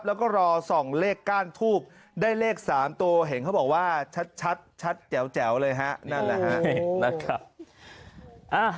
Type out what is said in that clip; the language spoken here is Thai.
แล้วก็รอส่องเลขก้านทูปได้เลขสามตัวเห็นเขาบอกว่าชัดชัดชัดแจ๋วแจ๋วเลยฮะนั่นแหละฮะ